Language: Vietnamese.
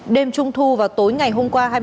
đêm trung thu và tối ngày hôm qua